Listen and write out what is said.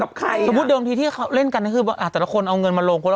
อ้อมกับใครอ่ะสมมุติเดิมที่ที่เขาเล่นกันนะคือว่าแต่ละคนเอาเงินมาลง